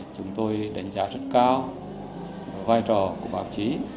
chúng tôi đánh giá rất cao vai trò của báo chí